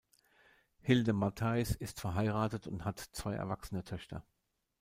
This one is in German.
Hilde Mattheis ist verheiratet und hat zwei erwachsene Töchter.